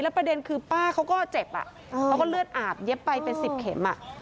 ประเด็นคือป้าเขาก็เจ็บเขาก็เลือดอาบเย็บไปเป็น๑๐เข็ม